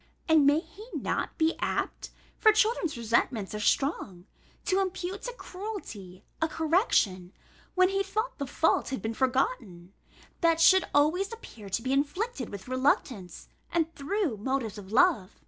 And may he not be apt (for children's resentments are strong) to impute to cruelty a correction (when he thought the fault had been forgotten) that should always appear to be inflicted with reluctance, and through motives of love?